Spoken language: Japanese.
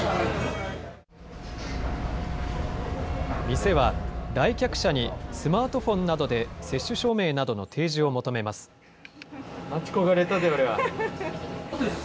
店は来客者に、スマートフォンなどで接種証明などの提示を求待ち焦がれたぜ、俺は。